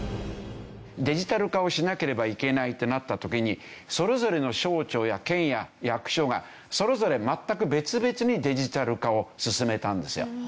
デジタル化をしなければいけないってなった時にそれぞれの省庁や県や役所がそれぞれ全く別々にデジタル化を進めたんですよ。